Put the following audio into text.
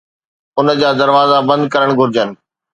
ان جا دروازا بند ڪرڻ گھرجن